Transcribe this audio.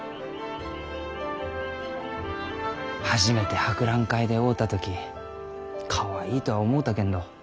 初めて博覧会で会うた時かわいいとは思うたけんど